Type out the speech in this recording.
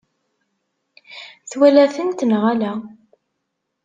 Twala-tent neɣ ala?